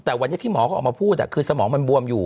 แต่วันนี้ที่หมอเขาออกมาพูดคือสมองมันบวมอยู่